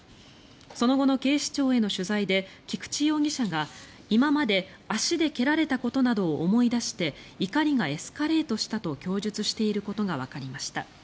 その後の警視庁への取材で菊池容疑者が今まで足で蹴られたことなどを思い出して怒りがエスカレートしたと供述していることがわかりました。